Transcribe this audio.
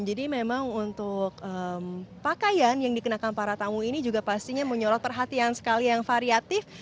jadi memang untuk pakaian yang dikenakan para tamu ini juga pastinya menyolot perhatian sekali yang variatif